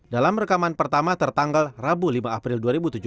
dalam rekaman pertama tertanggal rabu lima april dua ribu tujuh belas